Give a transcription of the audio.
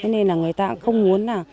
nên người ta không muốn